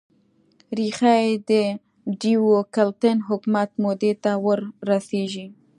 ریښه یې د ډیوکلتین حکومت مودې ته ور رسېږي.